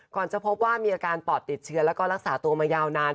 จะพบว่ามีอาการปอดติดเชื้อแล้วก็รักษาตัวมายาวนาน